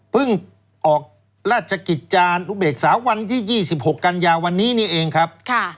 ออกราชกิจจานุเบกษาวันที่๒๖กันยาวันนี้นี่เองครับ